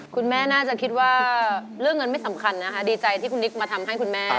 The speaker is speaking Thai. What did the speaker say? คุณแม่น่าจะคิดว่าเรื่องเงินไม่สำคัญนะคะดีใจที่คุณนิกมาทำให้คุณแม่